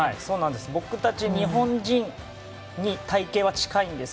僕たち日本人に体形は近いんです。